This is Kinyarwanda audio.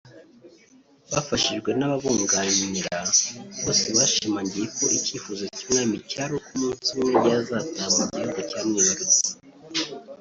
Bafashijwe n’ababunganira bose bashimangiye ko icyifuzo cy’umwami cyar’uko umunsi umwe yazataha mu gihugu cyamwibarutse